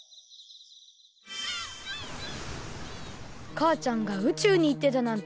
かあちゃんが宇宙にいってたなんて。